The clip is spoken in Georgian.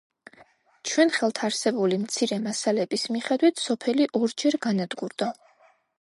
ჩვენ ხელთ არსებული მცირე მასალების მიხედვით, სოფელი ორჯერ განადგურდა.